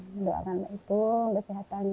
mendoakan ipung kesehatannya